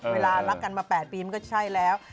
เวลารักกันมา๘ปีมันก็ใช่แล้ว